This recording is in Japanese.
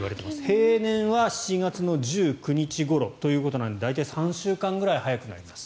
平年は７月１９日ごろということなので大体３週間ぐらい早くなります。